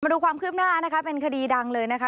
ดูความคืบหน้านะคะเป็นคดีดังเลยนะคะ